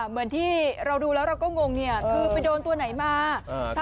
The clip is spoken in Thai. เหมือนที่เราดูแล้วเราก็งงเนี่ยคือไปโดนตัวไหนมา